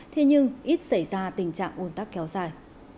thế nhưng ít xảy ra tình trạng ồn tắc kéo dài